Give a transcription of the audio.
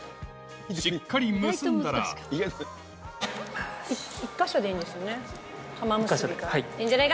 しっかり結んだら１か所でいいんですよね？